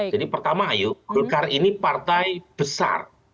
jadi pertama ayo golkar ini partai besar